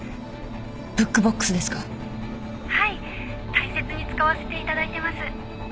大切に使わせていただいてます。